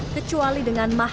kecuali dengan mahasiswa